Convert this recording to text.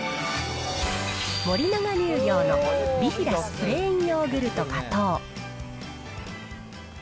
森永乳業のビヒダスプレーンヨーグルト加糖。